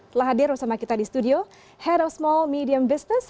telah hadir bersama kita di studio head of small medium business